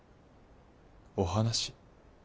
お話？